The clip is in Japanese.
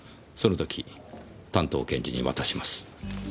その時担当検事に渡します。